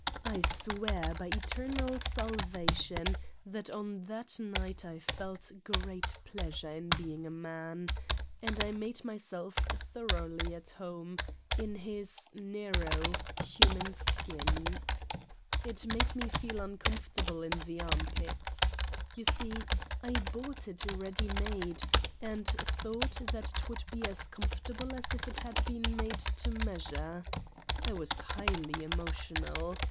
I swear by eternal salvation that on that night I felt great pleasure in being a man, and I made myself thor oughly at home in his narrow human skin. It 28 Satan's Diary made me feel uncomfortable in the armpits. Yon see, I bought it ready made and thought that it would be as comforatble as if it had been made to measure ! I was highly emotional.